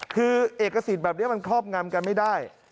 คือเอกสิทธิ์แบบนี้มันครอบงำกันไม่ได้